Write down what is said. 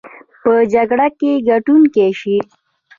په جګړه کې ګټونکي شي.